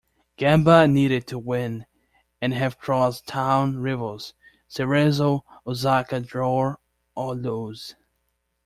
Gamba needed to win, and have cross town rivals Cerezo Osaka draw or lose.